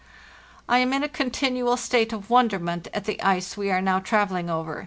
"T am in a continual state of wonderment at the ice we are now travelling over.